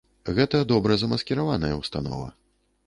Гэта добра замаскіраваная ўстанова.